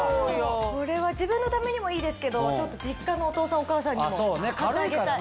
これは自分のためにもいいですけど実家のお父さんお母さんにも買ってあげたい。